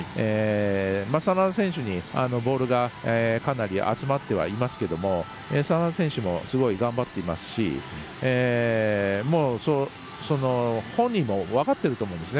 眞田選手にボールがかなり集まってはいますけども眞田選手もすごい頑張っていますし本人も分かってると思うんですね。